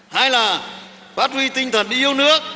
hai là phát huy tinh thần yêu nước